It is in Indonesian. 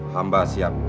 hamba siap pak